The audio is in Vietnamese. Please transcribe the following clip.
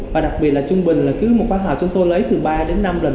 và đặc biệt là trung bình là cứ một khóa học chúng tôi lấy từ ba đến năm lần